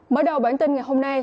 mở đầu bản tin ngày hôm nay